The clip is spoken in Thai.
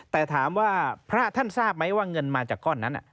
แต่ถามว่าพระท่านทราบไหมว่าเงินมาจากก้อนนั้น